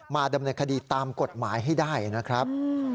ดำเนินคดีตามกฎหมายให้ได้นะครับ